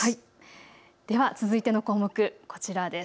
では続いての項目、こちらです。